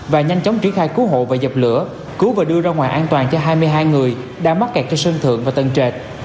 và nhanh chóng triển khai cứu hộ và dập lửa cứu và đưa ra ngoài an toàn cho hai mươi hai người đã mắc kẹt trên sân thượng và tầng trệt